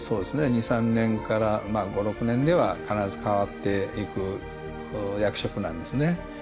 ２３年から５６年では必ず変わっていく役職なんですね。